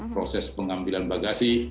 proses pengambilan bagasi